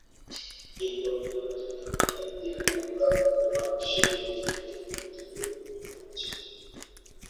কিংবদন্তি অনুযায়ী, এখানেই দেবী গঙ্গা ভগবান শিবের চুল থেকে মুক্তি পেয়ে পৃথিবীতে নেমেছিলেন।